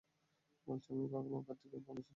বলছি, আমি ভগবান কার্তিকে বলেছিলাম।